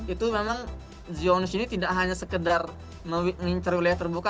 itu memang zionis ini tidak hanya sekedar mengincar wilayah terbuka